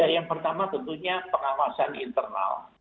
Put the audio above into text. yang pertama tentunya pengawasan internal